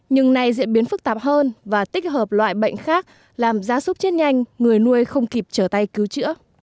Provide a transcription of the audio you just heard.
nhưng nay diễn biến phức tạp hơn và tích hợp loại bệnh khác làm gia súc chết nhanh người nuôi không kịp trở tay cứu chữa